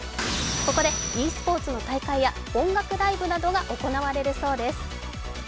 ここでｅスポーツの大会や音楽ライブなどが行われるそうです。